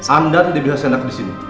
anda tidak bisa disini ayo keluar